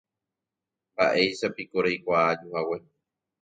Mba'éichapiko reikuaa ajuhague.